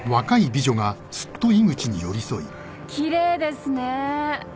きれいですねぇ。